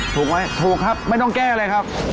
ถูกไหมถูกครับไม่ต้องแก้เลยครับ